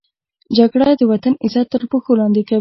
جګړه د وطن عزت تر پښو لاندې کوي